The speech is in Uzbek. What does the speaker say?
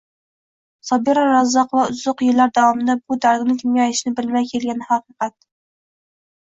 Sobira Razzoqova uzoq yillar davomida bu dardini kimga aytishni bilmay kelgani haqiqat